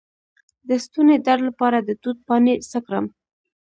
د ستوني درد لپاره د توت پاڼې څه کړم؟